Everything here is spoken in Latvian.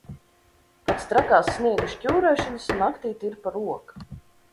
Pēc trakās sniega šķūrēšanas naktī tirpa roka.